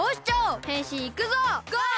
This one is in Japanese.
ゴー！